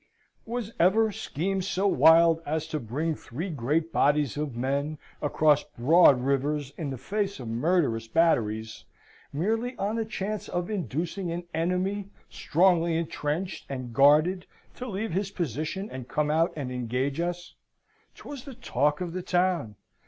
Was ever scheme so wild as to bring three great bodies of men, across broad rivers, in the face of murderous batteries, merely on the chance of inducing an enemy, strongly entrenched and guarded, to leave his position and come out and engage us? 'Twas the talk of the town.